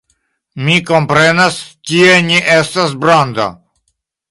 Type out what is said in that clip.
Mi komprenas, tie ne estas brando.